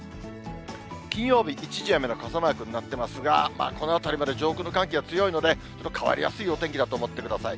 金曜日、一時雨の傘マークになってますが、このあたりまで上空の寒気が強いので、ちょっと変わりやすいお天気だと思ってください。